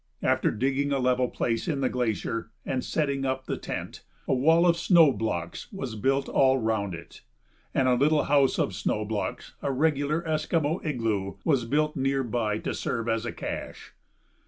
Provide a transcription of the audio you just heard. After digging a level place in the glacier and setting up the tent, a wall of snow blocks was built all round it, and a little house of snow blocks, a regular Eskimo igloo, was built near by to serve as a cache.